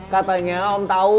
katanya om tau